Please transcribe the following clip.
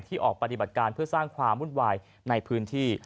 ออกปฏิบัติการเพื่อสร้างความวุ่นวายในพื้นที่